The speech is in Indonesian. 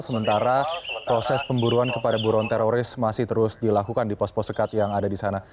sementara proses pemburuan kepada buruan teroris masih terus dilakukan di pos pos sekat yang ada di sana